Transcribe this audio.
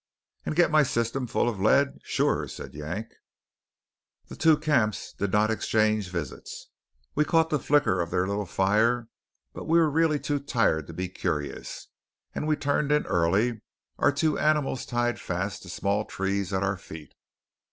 "And get my system full of lead sure," said Yank. The two camps did not exchange visits. We caught the flicker of their little fire; but we were really too tired to be curious, and we turned in early, our two animals tied fast to small trees at our feet.